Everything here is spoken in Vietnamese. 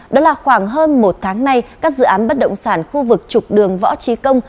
đó là khoảng hơn một tháng nay các dự án bất động sản khu vực trục đường võ trí công